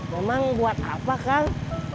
memang buat apa kang